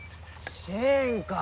「シェーン」か。